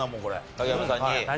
影山さんに。